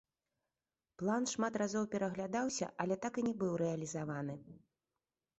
План шмат разоў пераглядаўся, але так і не быў рэалізаваны.